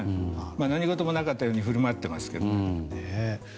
何事もなかったかのように振る舞っていますけど。